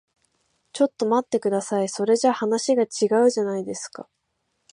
ちょっと待ってください。それじゃ話が違うじゃないですか。